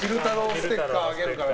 ステッカーもあげるから。